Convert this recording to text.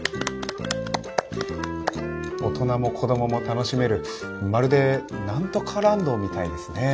大人も子どもも楽しめるまるで何とかランドみたいですね。